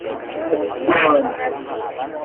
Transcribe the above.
اَشجان